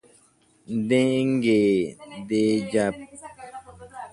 Dengue ndejapyhýrõ pya'emíke tereho pohãnohára rendápe.